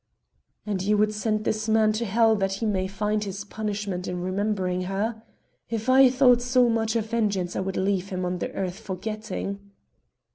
"And ye would send this man to hell that he may find his punishment in remembering her? If I thought so much of vengeance I would leave him on the earth forgetting."